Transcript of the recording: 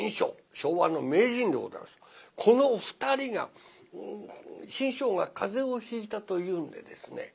この２人が志ん生が風邪をひいたというんでですね